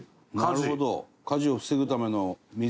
なるほど。